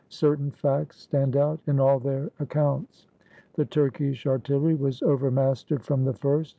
Certain facts stand out in all their ac counts. The Turkish artillery was overmastered from the first.